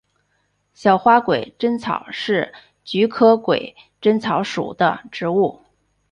小花鬼针草是菊科鬼针草属的植物。